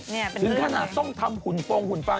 นี่เป็นเรื่องไหนถึงขนาดต้องทำหุ่นโฟงหุ่นฟัง